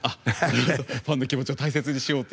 ファンの気持ちを大切にしようと。